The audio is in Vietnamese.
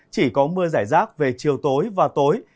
chỉ có mưa giải rác về chiều tối và tối